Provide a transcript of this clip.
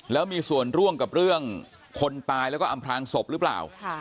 แล้วมีส่วนร่วมกับเรื่องคนตายแล้วก็อำพลางศพหรือเปล่า